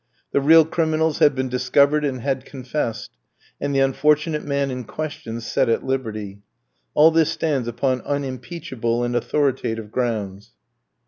The real criminals had been discovered and had confessed, and the unfortunate man in question set at liberty. All this stands upon unimpeachable and authoritative grounds."